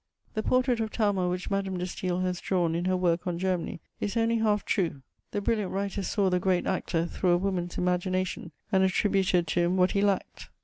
The portrait of Talma which Madame de Staël has drawn in her work on Germany is only half true: the brilliant writer saw the great actor through a woman's imagination, and attributed to him what he lacked.